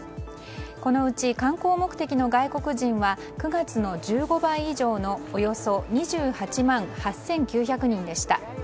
このうち観光目的の外国人は９月の１５倍以上のおよそ２８万８９００人でした。